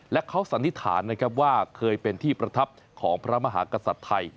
และเขาสันนิษฐานนะครับว่าเคยเป็นที่ประทับของพระมหากษัตริย์ไทย